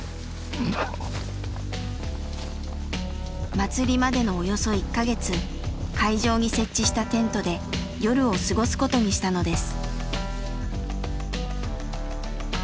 祭りまでのおよそ１か月会場に設置したテントで夜を過ごすことにしたのです。